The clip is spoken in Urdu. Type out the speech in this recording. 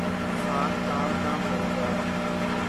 سان کام نہ ہوگا ۔